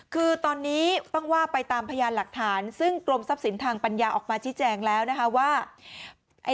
คือตอนนี้ต้องว่าไปตามพยานหลักฐานซึ่งกรมทรัพย์สินทางปัญญาออกมาชี้แจงแล้วนะคะว่า